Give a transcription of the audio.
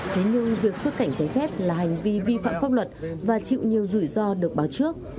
thế nhưng việc xuất cảnh trái phép là hành vi vi phạm pháp luật và chịu nhiều rủi ro được báo trước